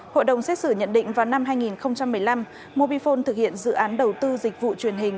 hội đồng xét xử nhận định vào năm hai nghìn một mươi năm mobifone thực hiện dự án đầu tư dịch vụ truyền hình